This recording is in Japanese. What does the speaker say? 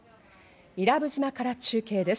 伊良部島から中継です。